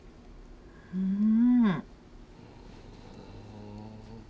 うん。